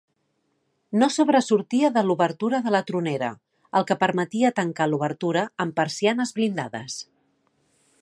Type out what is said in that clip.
No sobresortia de l'obertura de la tronera, el que permetia tancar l'obertura amb persianes blindades.